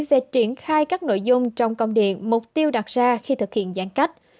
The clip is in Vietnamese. về triển khai các nội dung trong công điện mục tiêu đặt ra khi thực hiện giãn cách